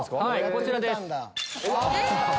こちらです。